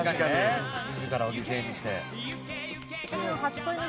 自らを犠牲にして。